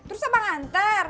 terus apa ngantar